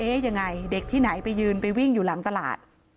ยังไงเด็กที่ไหนไปยืนไปวิ่งอยู่หลังตลาด